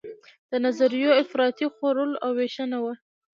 د نظریو افراطي خورول او ویشنه وه.